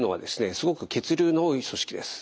すごく血流の多い組織です。